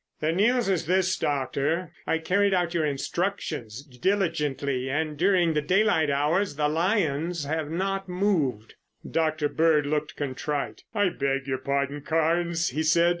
"The news is this, Doctor. I carried out your instructions diligently and, during the daylight hours, the lions have not moved." Dr. Bird looked contrite. "I beg your pardon, Carnes," he said.